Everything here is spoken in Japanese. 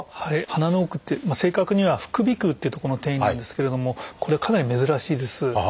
鼻の奥って正確には「副鼻腔」という所の転移なんですけれどもこれはかなり珍しいです。